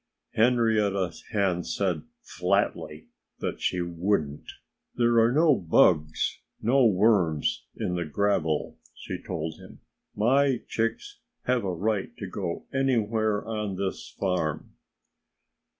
Henrietta Hen said flatly that she wouldn't. "There are no bugs no worms in the gravel," she told him. "My chicks have a right to go anywhere on this farm."